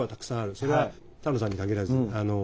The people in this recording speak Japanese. それは丹野さんに限らずあの。